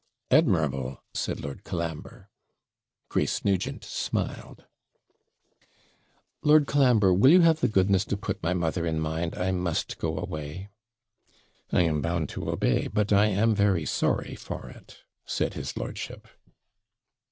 'Admirable!' said Lord Colambre. Grace Nugent smiled. 'Lord Colambre, will you have the goodness to put my mother in mind I must go away?' 'I am bound to obey, but I am very sorry for it,' said his lordship.